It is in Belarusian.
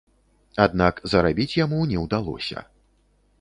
Аднак зарабіць яму не ўдалося.